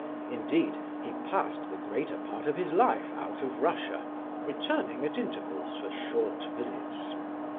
Indeed, he passed the greater part of his life out of Russia, returning at intervals for short visits.